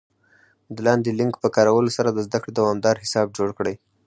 د لاندې لینک په کارولو سره د زده کړې دوامدار حساب جوړ کړئ